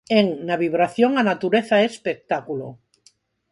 En 'Na Vibración' a natureza é espectáculo.